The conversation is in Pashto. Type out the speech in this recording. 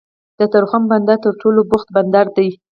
د تورخم بندر تر ټولو بوخت بندر دی